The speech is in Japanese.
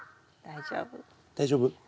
大丈夫。